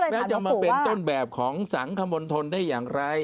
แล้วจะมาเป็นต้นแบบของสังคมณฑลได้อย่างไร